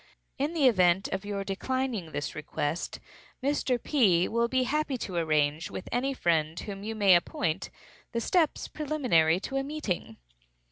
In the event of your declining this request, Mr. P. will be happy to arrange, with any friend whom you may appoint, the steps preliminary to a meeting.